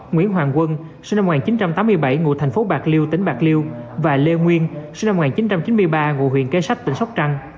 nguyễn hoàng quân sinh năm một nghìn chín trăm tám mươi bảy ngụ thành phố bạc liêu tỉnh bạc liêu và lê nguyên sinh năm một nghìn chín trăm chín mươi ba ngụ huyện kế sách tỉnh sóc trăng